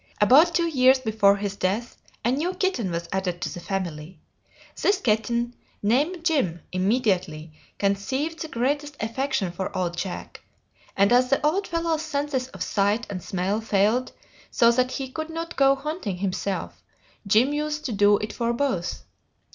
About two years before his death, a new kitten was added to the family. This kitten, named Jim, immediately conceived the greatest affection for old Jack, and as the old fellow's senses of sight and smell failed so that he could not go hunting himself, Jim used to do it for both.